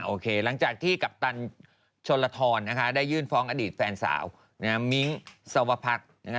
หลังจากที่กัปตันชนละทรได้ยื่นฟ้องอดีตแฟนสาวมิ้งสวพัฒน์